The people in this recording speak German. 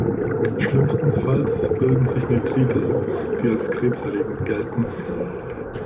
Schlimmstenfalls bilden sich Nitrite, die als krebserregend gelten.